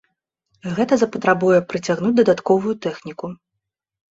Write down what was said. Гэта запатрабуе прыцягнуць дадатковую тэхніку.